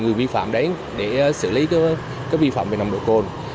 người vi phạm đến để xử lý cái vi phạm về nồng độ cồn